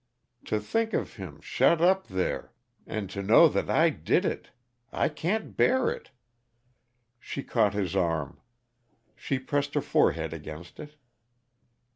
To think of him shut up there and to know that I did it I can't bear it!" She caught his arm. She pressed her forehead against it.